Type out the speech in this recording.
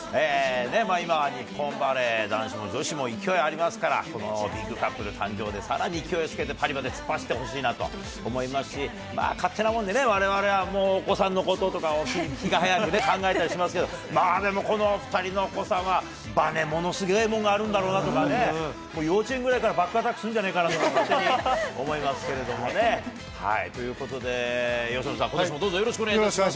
今は日本バレー、男子も女子も勢いありますから、このビッグカップル誕生で、さらに勢いをつけて、パリまで突っ走ってほしいなと思いますし、勝手なもんでね、われわれはお子さんのこととか、気が早くね、考えたりしますけど、でもこのお２人のお子さんは、ばね、ものすげえもんがあるだろうなとか、もう幼稚園ぐらいからバックアタックするんじゃないかなとか、勝手に思いますけれどもね。ということで由伸さん、ことしもどうぞよろしくお願いします。